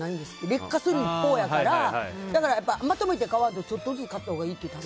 劣化する一方やからだから、まとめて買わんとちょっとずつ買ったほうがいいって言ってた。